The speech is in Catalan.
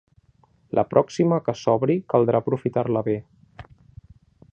La pròxima que s’obri caldrà aprofitar-la bé.